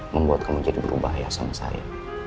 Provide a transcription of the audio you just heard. membuat kamu jadi berubah ya sama saya